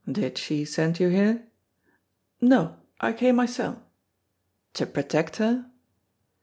"Did she send you here?" "No; I came mysel'." "To protect her?"